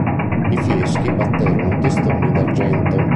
I Fieschi batterono testoni d'argento.